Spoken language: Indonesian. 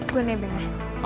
gue nebel ya